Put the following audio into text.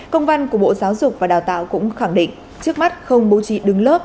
công văn của bộ giáo dục và đào tạo cũng khẳng định trước mắt không bố trí đứng lớp